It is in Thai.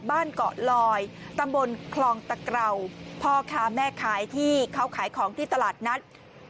บ้านเกาะลอยตำบลคลองตะเกราพ่อค้าแม่ขายที่เขาขายของที่ตลาดนัด